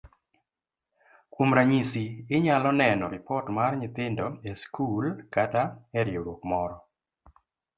Kuom ranyisi, inyalo neno ripot mar nyithindo e skul kata e riwruok moro.